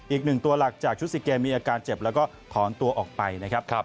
อีกหนึ่งตัวหลักจากชุดซีเกมมีอาการเจ็บแล้วก็ถอนตัวออกไปนะครับ